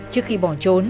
trước khi bỏ trốn